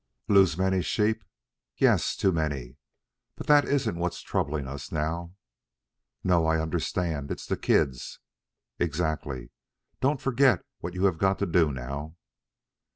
"Lose many sheep?" "Yes; too many. But that isn't what's troubling us now." "No, I understand. It's the kids." "Exactly. Don't forget what you have got to do, now."